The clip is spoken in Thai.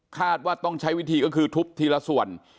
ว่าต้องใช้วิธีก็คือทุบทีละส่วน